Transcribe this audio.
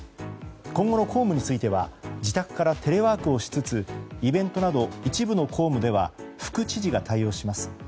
今後の公務については自宅からテレワークをしつつイベントなど一部の公務では副知事が対応します。